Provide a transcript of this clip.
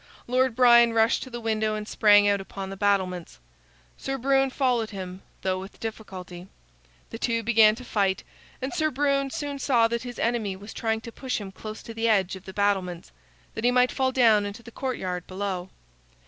Lord Brian rushed to the window and sprang out upon the battlements. Sir Brune followed him, though with difficulty. The two began to fight, and Sir Brune soon saw that his enemy was trying to push him close to the edge of the battlements, that he might fall down into the courtyard below.